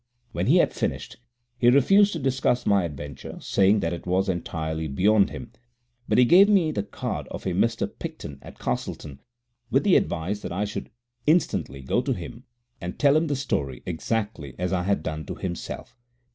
When he had finished, he refused to discuss my adventure, saying that it was entirely beyond him, but he gave me the card of a Mr. Picton at Castleton, with the advice that I should instantly go to him and tell him the story exactly as I had done to himself.